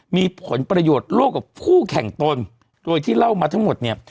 มีผลประโยชน์โลกกับคู่แข่งตนโดยที่เล่ามาทั้งหมดเนี่ย